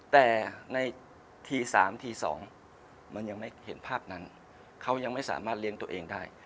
แต่ในที๓ที๒มันยังไม่เห็นภาพนั้นเขายังไม่สามารถเลี้ยงตัวเองได้